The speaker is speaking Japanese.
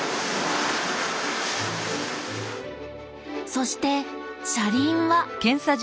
そして車輪は。